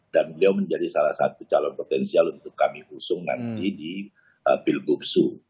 dan beliau menjadi salah satu calon potensial untuk kami usung nanti di pilguksu